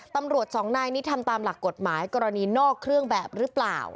ตำรวจสองนายนี้ทำตามหลักกฎหมายกรณีนอกเครื่องแบบหรือเปล่า